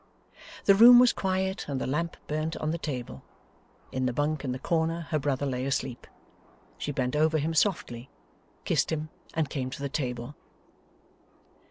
The room was quiet, and the lamp burnt on the table. In the bunk in the corner, her brother lay asleep. She bent over him softly, kissed him, and came to the table.